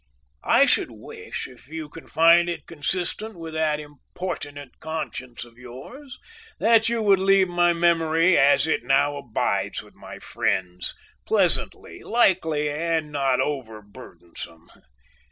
"I should wish, if you can find it consistent with that importunate conscience of yours, that you would leave my memory as it now abides with my friends, pleasantly, likely, and not overburdensome.